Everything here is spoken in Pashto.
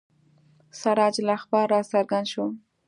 سراج الاخبار را څرګند شو.